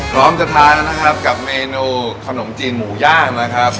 พร้อมจะทานแล้วนะครับกับเมนูขนมจีนหมูย่างนะครับ